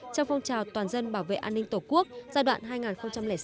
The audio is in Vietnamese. trong phong trào toàn dân bảo vệ an ninh tổ quốc giai đoạn hai nghìn sáu hai nghìn một mươi sáu